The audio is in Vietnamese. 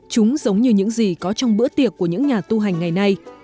chúng giống như những gì có trong bữa tiệc của những nhà tu hành ngày nay